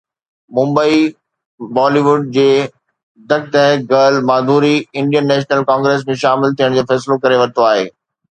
ممبئي (م ڊ) Bollywood جي دک دھڪ girl Madhuri Indian National Congress ۾ شامل ٿيڻ جو فيصلو ڪري ورتو آهي.